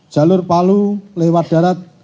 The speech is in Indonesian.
jalur palu lewat darat